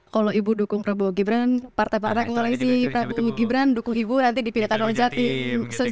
kalau ibu dukung prabowo gibran partai partai koalisi prabowo gibran dukung ibu nanti dipindahkan oleh jatim